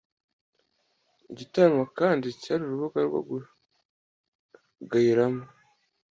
igitaramo kandi cyari urubuga rwo kugayiramo